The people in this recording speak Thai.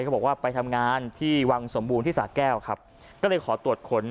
เขาบอกว่าไปทำงานที่วังสมบูรณ์ที่สาแก้วครับก็เลยขอตรวจค้น